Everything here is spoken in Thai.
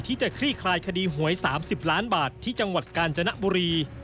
คลี่คลายคดีหวย๓๐ล้านบาทที่จังหวัดกาญจนบุรี